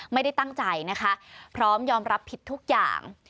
ไม่ได้ตั้งใจนะคะพร้อมยอมรับผิดทุกอย่าง